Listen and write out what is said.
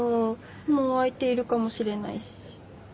もう相手いるかもしれないし。